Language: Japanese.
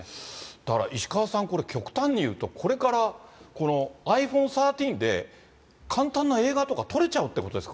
だから石川さん、これ極端に言うと、これからこのｉＰｈｏｎｅ１３で、簡単な映画とか撮れちゃうってことですか？